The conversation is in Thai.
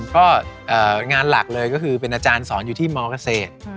ก็งานหลักเลยก็คือเป็นอาจารย์สอนอยู่ที่มเกษตร